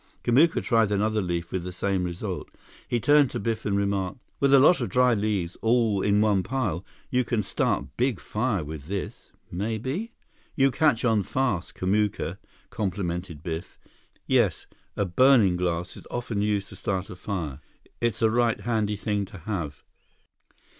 Kamuka tried another leaf with the same result. He turned to Biff and remarked: "With a lot of dry leaves, all in one pile, you can start big fire with this—maybe?" "You catch on fast, Kamuka," complimented Biff. "Yes, a burning glass is often used to start a fire. It's a right handy thing to have."